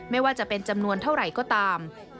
ไม่ว่าจะเป็นจำนวนเท่าไหร่ก็ตาม